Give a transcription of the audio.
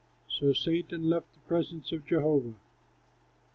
So Satan left the presence of Jehovah.